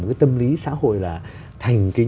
một cái tâm lý xã hội là